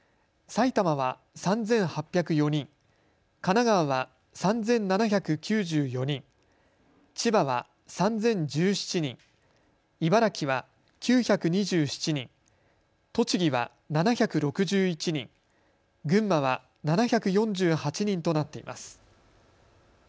埼玉は３８０４人、神奈川は３７９４人、千葉は３０１７人、茨城は９２７人、栃木は７６１人、群馬は７４８人となっています。